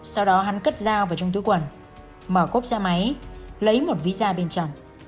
sau đó hắn cất dao vào trong túi quần mở cốp xe máy lấy một ví da bên trong